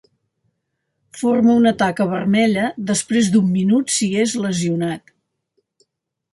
Forma una taca vermella després d'un minut si és lesionat.